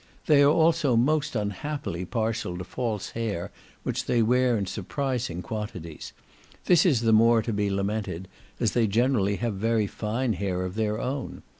They are also most unhappily partial to false hair, which they wear in surprising quantities; this is the more to be lamented, as they generally have very fine hair of their own.